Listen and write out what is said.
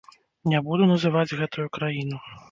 Не буду называць гэтую краіну.